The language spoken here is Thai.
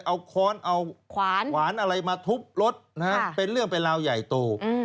เอาขวารเอาขวานอะไรมาทุบรถเป็นเรื่องเป็นลาวใหญ่โต